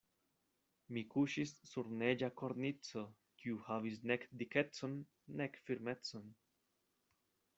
Mi kuŝis sur neĝa kornico, kiu havis nek dikecon nek firmecon.